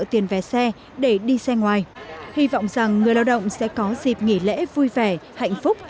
tiền vé xe để đi xe ngoài hy vọng rằng người lao động sẽ có dịp nghỉ lễ vui vẻ hạnh phúc